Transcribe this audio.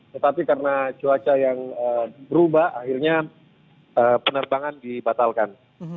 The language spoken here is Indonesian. tetapi karena cuaca yang berubah akhirnya penerbangan dibatalkan